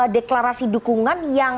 deklarasi dukungan yang